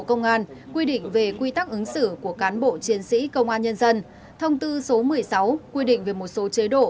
bộ công an quy định về quy tắc ứng xử của cán bộ chiến sĩ công an nhân dân thông tư số một mươi sáu quy định về một số chế độ